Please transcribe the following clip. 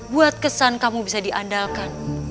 buat kesan kamu bisa diandalkan